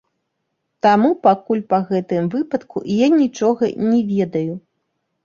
Таму пакуль па гэтым выпадку я нічога не ведаю.